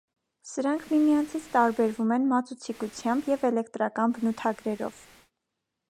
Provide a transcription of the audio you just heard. Սրանք միմյանցից տարբերվում են մածուցիկությամբ և էլեկտրական բնութագրերով։